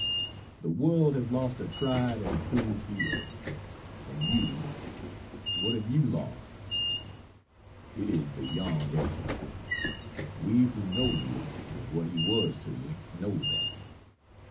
The world has lost a tried and proved hero. And you what have you lost? It is beyond estimate we who know you, and what he was to you, know that.